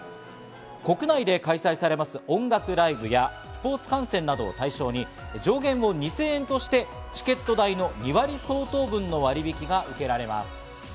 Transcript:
国内で開催されます音楽ライブやスポーツ観戦などを対象に上限を２０００円としてチケット代の２割相当分の割引が受けられます。